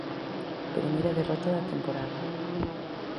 Primeira derrota da temporada.